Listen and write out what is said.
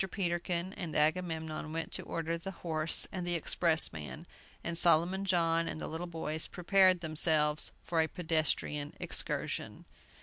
Peterkin and Agamemnon went to order the horse and the expressman, and Solomon John and the little boys prepared themselves for a pedestrian excursion.